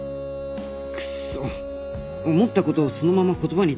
くっそ思ったことをそのまま言葉にできたら